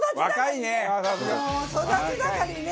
もう育ち盛りね。